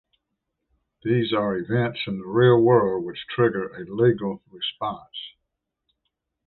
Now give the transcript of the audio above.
These are events in the real world which trigger a legal response.